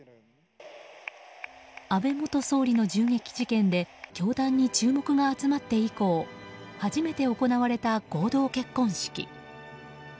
安倍元総理の銃撃事件で教団に注目が集まって以降初めて行われた合同結婚式。